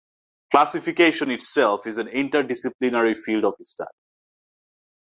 Classification itself is an interdisciplinary field of study.